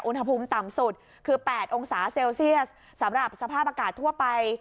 อุณหภูมิต่ำสุดคือ๘องศาเซลเซียสสำหรับสภาพอากาศทั่วไป